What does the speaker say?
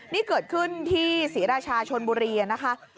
นี่เกิดขึ้นที่ศรีราชาชนบุรีนะคะ